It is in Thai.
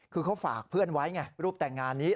คือเขาฝากเพื่อนไว้ไงรูปแต่งงานนี้